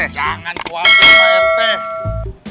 jangan kuatir pak rt